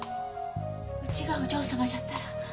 うちがお嬢様じゃったら。